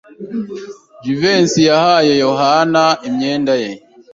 Jivency yahaye Yohana imyenda ye.